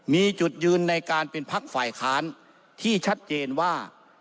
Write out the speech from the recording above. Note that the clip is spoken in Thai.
มีจุดยืนในการเป็นพักฝ่ายค้านที่ชัดเจนว่า